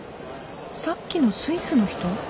さっきのスイスの人？